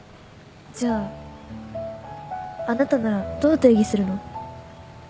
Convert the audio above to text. じゃああなたならどう定義するの？